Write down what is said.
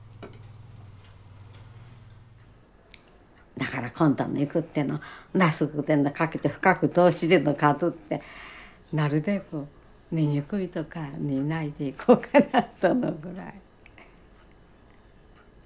だから今度も行くっていうのマスクでもかけて深く帽子でもかぶってなるべく醜いとこは見ないで行こうかなと思うぐらい。